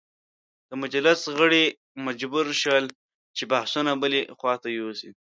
د مجلس غړي مجبور شول چې بحثونه بلې خواته یوسي.